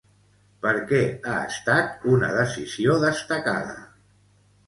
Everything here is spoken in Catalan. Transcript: Per què ha estat una decisió destacada?